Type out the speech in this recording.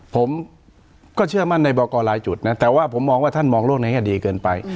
ผมก็เชื่อมั่นในบอกกรรายจุดนะแต่ว่าผมมองว่าท่านมองโลกในแง่ดีเกินไป